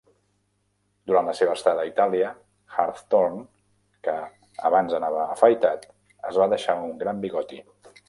Durant la seva estada a Itàlia, Hawthorne, que abans anava afaitat, es va deixar un gran bigoti.